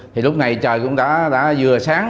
thì lúc này trời cũng đã vừa sáng